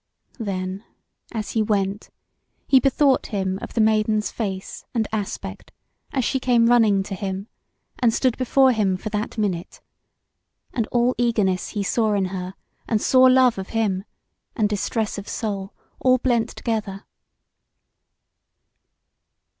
Then, as he went, he bethought him of the Maiden's face and aspect, as she came running to him, and stood before him for that minute; and all eagerness he saw in her, and sore love of him, and distress of soul, all blent together.